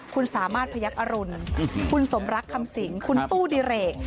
คุณสามารถพยักษ์อรุณคุณสมรักคำสิงคุณตู้ดิเรก